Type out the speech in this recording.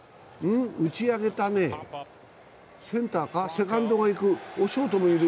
打ち上げたね、センターか、セカンドがいく、ショートもいる。